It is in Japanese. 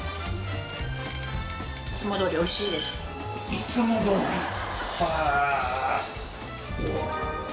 いつもどおり？へえ！